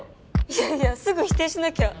いやいやすぐ否定しなきゃ。